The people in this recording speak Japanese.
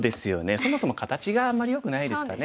そもそも形があんまりよくないですかね。